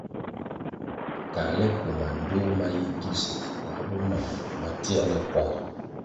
Káhle koh mandtoh ma yi ngisuer puáh bo mam ma tierle kwar.